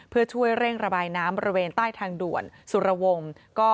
เพื่อช่วยเร่งระบายน้ำบริเวณใต้ทางด่วนสุรวงศ์